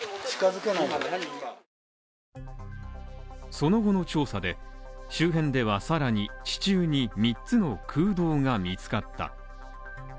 その後の調査で、周辺ではさらに、地中に三つの空洞が見つかった。